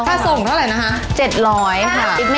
ค่าส่งเท่าไหร่นะคะ